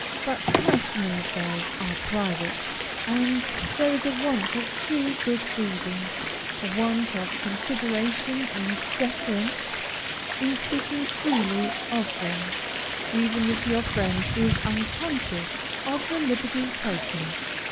But personal affairs are private; and there is a want of true good breeding, a want of consideration and deference, in speaking freely of them, even if your friend is unconscious of the liberty taken.